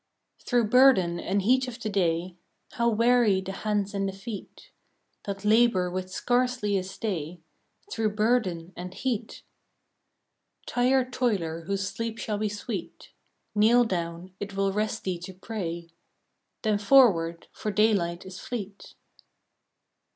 H^HROUGH burden and heat of the day How weary the hands and the feet, That labor with scarcely a stay, Through burden and heat! Tired toiler whose sleep shall be sweet, Kneel down, it will rest thee to pray: Then forward, for daylight is fleet.